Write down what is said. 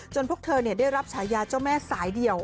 พวกเธอได้รับฉายาเจ้าแม่สายเดี่ยว